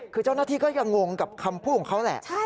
คือเจ้าหน้าที่ก็ยังงงกับคำพูดของเขาแหละ